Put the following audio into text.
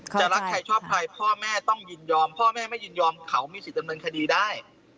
รักใครชอบใครพ่อแม่ต้องยินยอมพ่อแม่ไม่ยินยอมเขามีสิทธิ์ดำเนินคดีได้